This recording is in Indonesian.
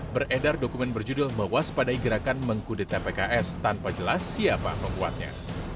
beredar dokumen berjudul mewaspadai gerakan mengkudeta pks tanpa jelas siapa memuatnya